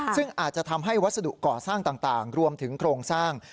ซึ่งอาจจะทำให้วัสดุก่อสร้างต่างรวมถึงโครงสร้าง